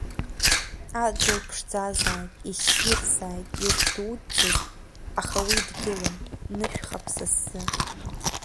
Адгьыл ԥшӡазааит, иссирзааит, иагьдуӡӡаз, аха уи дгьылым, нышәхап са сзы.